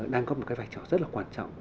đang có một vai trò rất là quan trọng